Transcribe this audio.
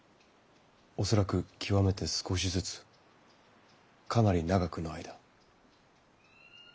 恐らく極めて少しずつかなり長くの間。